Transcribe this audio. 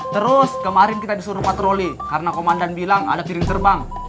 terus kemarin kita disuruh patroli karena komandan bilang ada piring terbang